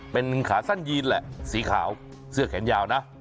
เป็นขาสั้นยีนแหละสีขาวเสื้อแขนยาวนะ